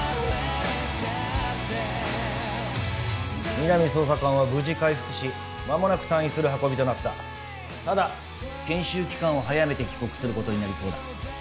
皆実捜査官は無事回復しまもなく退院する運びとなったただ研修期間を早めて帰国することになりそうだ